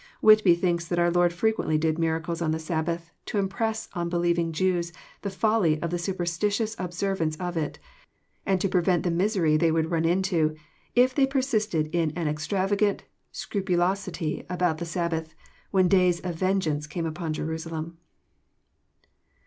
Whitby thinks that our Lord frequently did miracles on th« Sabbath, to impress on believing Jews the folly of the super stitious observance of it, and to prevent the misery they would run into if they persisted in an extravagant scrupulosity about the Sabbath, when days of vengeance" came on Jerusalem.